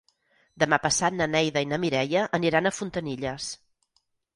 Demà passat na Neida i na Mireia aniran a Fontanilles.